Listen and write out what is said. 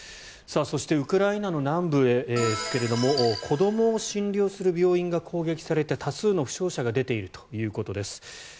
そして、ウクライナの南部ですが子どもを診療する病院が攻撃されて多数の負傷者が出ているということです。